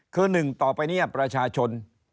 คือ๑ต่อไปเนี่ยประชาชน